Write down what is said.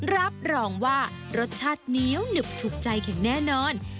รับรองว่ารสชาติเหนียวหนึบถูกใจอย่างแน่นอน